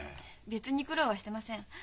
別に苦労はしてません。